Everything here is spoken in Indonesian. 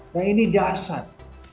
dan ini dasar